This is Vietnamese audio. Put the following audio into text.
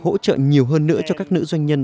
hỗ trợ nhiều hơn nữa cho các nữ doanh nhân